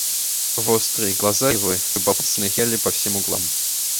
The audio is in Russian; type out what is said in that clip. Вострые глаза его с любопытством шныряли по всем углам.